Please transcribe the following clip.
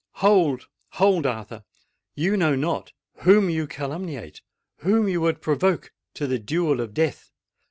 "Hold! hold! Arthur—you know not whom you calumniate—whom you would provoke to the duel of death!"